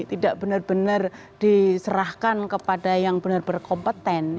tidak benar benar diserahkan kepada yang benar benar berkompeten